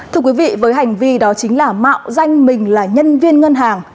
thưa quý vị với hành vi đó chính là mạo danh mình là nhân viên ngân hàng